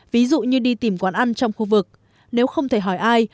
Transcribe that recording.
ví dụ như đi tìm quán ăn trong khu vực nếu không thể hỏi ai